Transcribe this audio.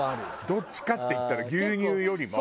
どっちかっていったら牛乳よりも。